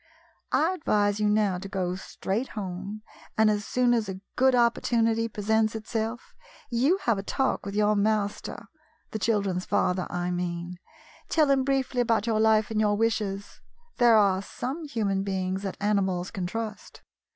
I advise you now to go straight home, and, as soon as a good opportunity presents itself, you have a talk with your master — the children's father, I mean. Tell him briefly about your life and your wishes. There are some human beings that animals can trust.